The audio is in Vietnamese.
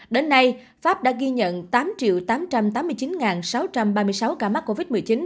đến nay pháp đã ghi nhận tám tám trăm tám mươi chín sáu trăm ba mươi sáu ca mắc covid một mươi chín